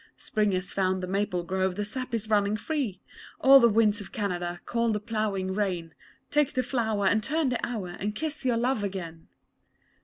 Spring has found the maple grove, the sap is running free; All the winds of Canada call the ploughing rain. Take the flower and turn the hour, and kiss your love again!